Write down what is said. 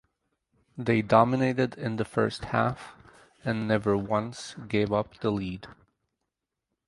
They dominated in the first half and never once gave up the lead.